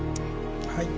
はい。